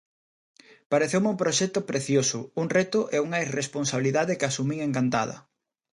Pareceume un proxecto precioso, un reto e unha irresponsabilidade que asumín encantada.